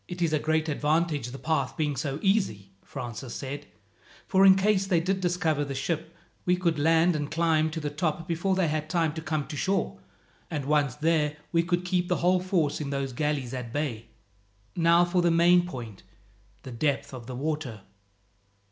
"It is a great advantage, the path being so easy," Francis said, "for in case they did discover the ship we could land and climb to the top before they had time to come to shore, and once there we could keep the whole force in those galleys at bay. Now for the main point, the depth of the water."